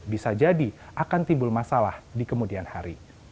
bisa jadi akan timbul masalah di kemudian hari